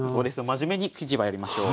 真面目に生地はやりましょう。